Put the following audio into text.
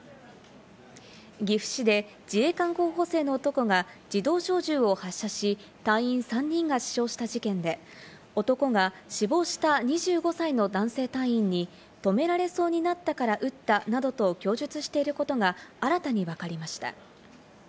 岐阜市で自衛官候補生の男が自動小銃を発射し、隊員３人が死傷した事件で、男が死亡した２５歳の男性隊員に止められそうになったから撃ったなどと供述していることが新たにわかりました。